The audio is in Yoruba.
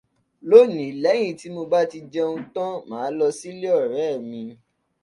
Lónìí, lẹ́yìn tí mo bá ti jẹun tán, màá lọ sílé ọ̀rẹ́ mi